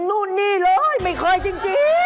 นู่นนี่เลยไม่เคยจริง